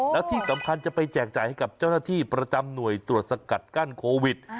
แล้วที่สำคัญจะไปแจกจ่ายให้กับเจ้าหน้าที่ประจำหน่วยตรวจสกัดกั้นโควิด